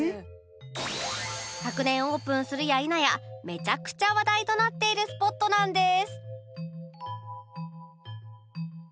昨年オープンするや否やめちゃくちゃ話題となっているスポットなんです